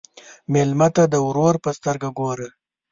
مېلمه ته د ورور په سترګه وګوره.